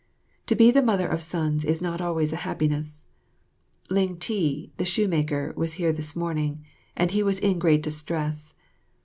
To be the mother of sons is not always a happiness. Ling ti, the shoemaker, was here this morning, and he was in great distress.